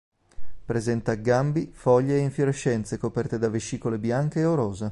Presenta gambi, foglie e infiorescenze coperte da vescicole bianche o rosa.